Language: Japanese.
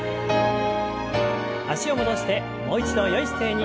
脚を戻してもう一度よい姿勢に。